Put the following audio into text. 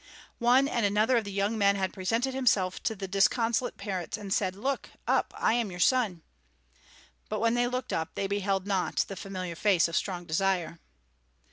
One and another of the young men had presented himself to the disconsolate parents and said, "Look up, I am your son," but when they looked up, they beheld not the familiar face of Strong Desire.